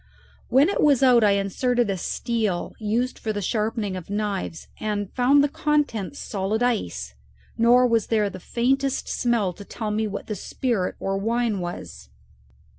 When it was out I inserted a steel used for the sharpening of knives and found the contents solid ice, nor was there the faintest smell to tell me what the spirit or wine was.